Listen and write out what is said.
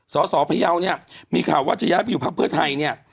สพยาวเนี่ยมีข่าวว่าจะย้ายไปอยู่พักเพื่อไทยเนี่ย